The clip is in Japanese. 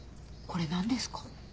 これ何ですか？